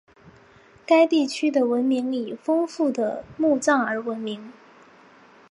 该地区的文明以丰富的墓葬而闻名。